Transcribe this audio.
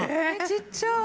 ちっちゃい。